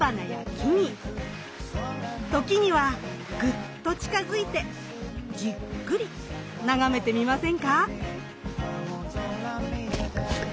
時にはグッと近づいてじっくり眺めてみませんか。